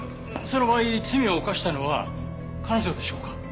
その場合罪を犯したのは彼女でしょうか？